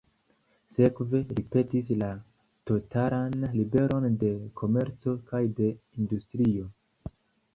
Sekve, li petis la totalan liberon de komerco kaj de industrio.